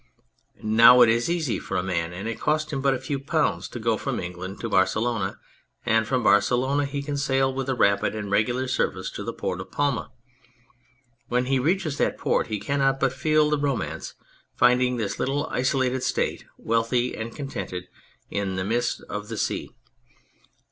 Now it is easy for a man and costs him but a few pounds to go from England to Barcelona, and from Barcelona he can sail with a rapid and regular service to the port of Palma. When he reaches that port he cannot but feel the Romance, finding this little isolated State wealthy and contented in the midst of the sea.